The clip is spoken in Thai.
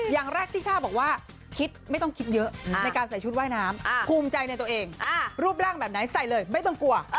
อย่างแรกติช่าบอกว่าคิดไม่ต้องคิดเยอะในการใส่ชุดว่ายน้ำภูมิใจในตัวเองรูปร่างแบบไหนใส่เลยไม่ต้องกลัว